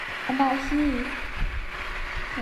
Amah he kan i kawi hi kum hnih a si cang.